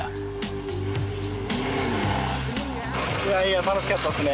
いやいや楽しかったですね。